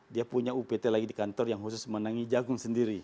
dia punya upt lagi di kantor yang khusus menangi jagung sendiri